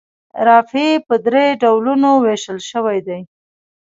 رافعې په درې ډولونو ویشل شوي دي.